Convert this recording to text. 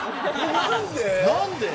何で？